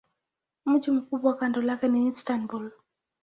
Mji mkubwa kando lake ni Istanbul.